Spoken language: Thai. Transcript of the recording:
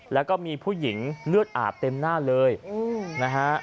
แล้วก็มีผู้หญิงเลือดอาบเต็มหน้าเลยนะฮะ